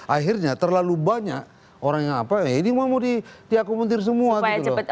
akhirnya terlalu banyak orang yang apa eh ini mau diakomodir semua gitu loh